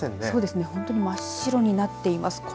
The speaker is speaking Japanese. そうですね、ほとんど真っ白になっています。